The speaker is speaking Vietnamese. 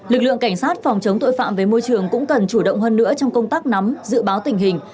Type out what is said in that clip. lực lượng cảnh sát phòng chống tội phạm về môi trường cũng cần chủ động hơn nữa trong công tác nắm dự báo tình hình